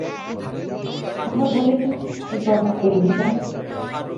আবার বলে কিনা, এ গয়না ওরই দান!